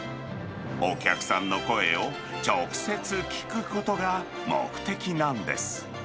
お客さんの声を直接聞くことが目的なんです。